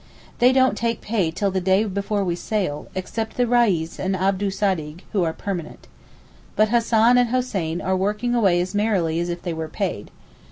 They don't take pay till the day before we sail, except the Reis and Abdul Sadig, who are permanent. But Hassan and Hoseyn are working away as merrily as if they were paid.